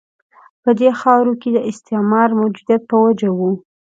په دې خاورو کې د استعمار د موجودیت په وجه وه.